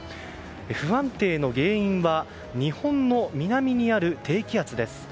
不安定の原因は日本の南にある低気圧です。